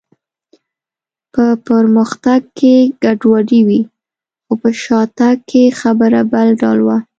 په پرمختګ کې ګډوډي وي، خو په شاتګ کې خبره بل ډول وه.